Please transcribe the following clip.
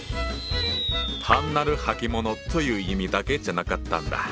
単なる履物という意味だけじゃなかったんだ。